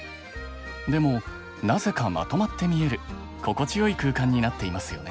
でもなぜかまとまって見える心地よい空間になっていますよね。